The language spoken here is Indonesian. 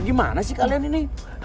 gimana sih kalian ini